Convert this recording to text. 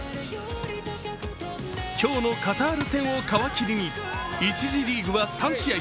今日のカタール戦を皮切りに１次リーグは３試合。